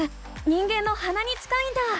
人間のはなに近いんだ！